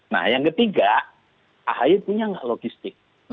nah yang ketiga ahy punya nggak logistik